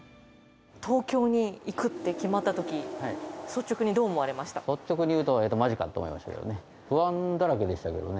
東京に行くって決まったとき、率直にいうと、まじかって思いましたけどね。